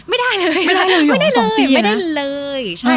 ไม่ได้เลยไม่ได้เลยไม่ได้เลย